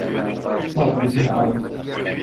Ffeɣ-d seg tneɣrit.